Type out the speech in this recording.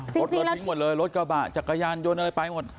รถเราทิ้งหมดเลยรถกระบะจักรยานยนต์อะไรไปหมด